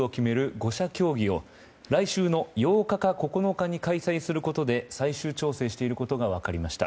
５者協議を来週の８日か９日に開催することで最終調整していることが分かりました。